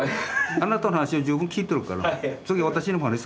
あなたの話は十分聞いとるから次私にお話しさせて。